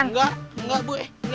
nggak nggak bu